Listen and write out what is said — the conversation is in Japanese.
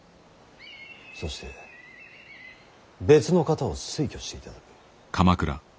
そして別の方を推挙していただく。